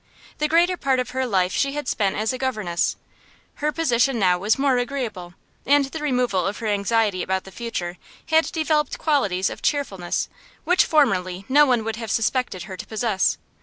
The greater part of her life she had spent as a governess; her position now was more agreeable, and the removal of her anxiety about the future had developed qualities of cheerfulness which formerly no one would have suspected her to possess.